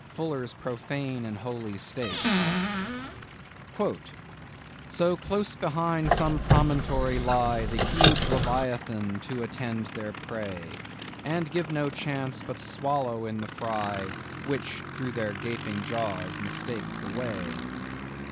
—Fuller's Profane and Holy State. "So close behind some promontory lie The huge Leviathan to attend their prey, And give no chance, but swallow in the fry, Which through their gaping jaws mistake the way."